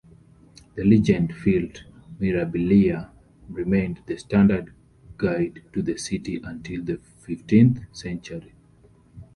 The legend-filled "Mirabilia" remained the standard guide to the city until the fifteenth century.